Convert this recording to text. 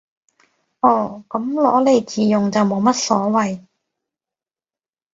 哦，噉攞嚟自用就冇乜所謂